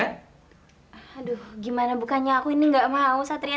aduh gimana bukannya aku ini gak mau satria